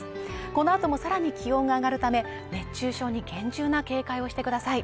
このあともさらに気温が上がるため熱中症に厳重な警戒をしてください